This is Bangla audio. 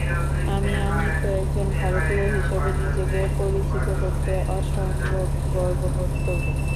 আমি আমৃত্যু একজন ভারতীয় হিসেবে নিজেকে পরিচিত করতে অসম্ভব গর্ববোধ করব।